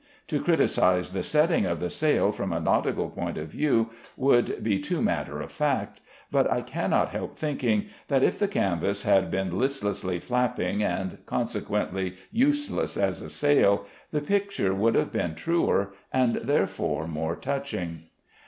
To criticise the setting of the sail from a nautical point of view would be too matter of fact; but I cannot help thinking that if the canvas had been listlessly flapping, and consequently useless as a sail, the picture would have been truer, and therefore more touching.